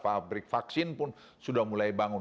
pabrik vaksin pun sudah mulai bangun